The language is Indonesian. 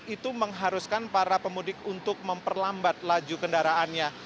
itu mengharuskan para pemudik untuk memperlambat laju kendaraannya